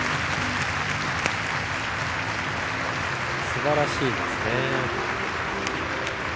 すばらしいですね。